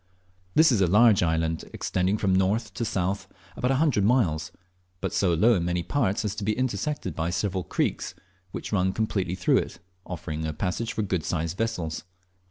This is a large island, extending from north to south about a hundred miles, but so low in many parts as to be intersected by several creeks, which run completely through it, offering a passage for good sized vessels.